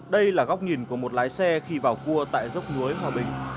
đây là góc nhìn của một lái xe khi vào cua tại dốc muối hòa bình